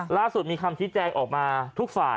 ล่าสุดมีคำชี้แจงออกมาทุกฝ่าย